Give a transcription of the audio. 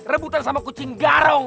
rebutan sama kucing garong